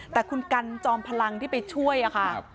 แต่คุณกันจอมพลังที่ไปช่วยค่ะ